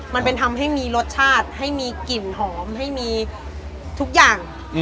มันเป็นทำให้มีรสชาติให้มีกลิ่นหอมให้มีทุกอย่าง